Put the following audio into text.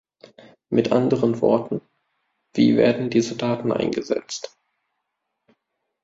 Mit anderen Worten, wie werden diese Daten eingesetzt?